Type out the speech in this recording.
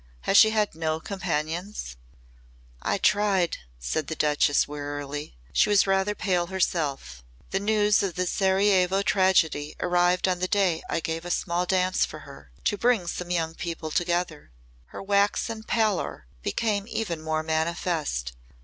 Has she had no companions?" "I tried " said the Duchess wearily. She was rather pale herself. "The news of the Sarajevo tragedy arrived on the day I gave a small dance for her to bring some young people together." Her waxen pallor became even more manifest.